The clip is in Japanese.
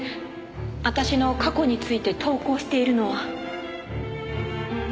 私の過去について投稿しているのは。